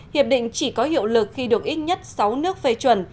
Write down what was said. hiệp định chỉ có hiệu lực khi được ít nhất sáu nước phê chuẩn